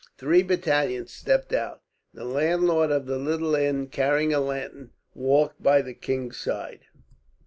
Three battalions stepped out. The landlord of the little inn, carrying a lantern, walked by the king's side.